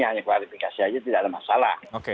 hanya klarifikasi aja tidak ada masalah